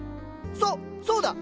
そそうだ！